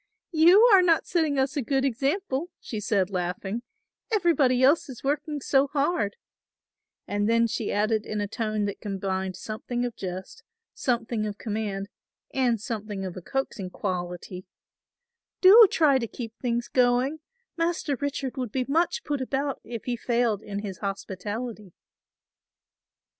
"You are not setting us a good example," she said laughing; "everybody else is working so hard," and then she added in a tone that combined something of jest, something of command and something of a coaxing quality, "do try to keep things going; Master Richard would be much put about if he failed in his hospitality."